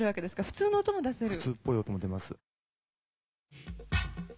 普通っぽい音も出ます。